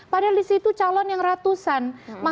padahal di situ calon yang ratusan